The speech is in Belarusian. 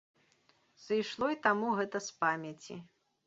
Сышло й таму гэта з памяці.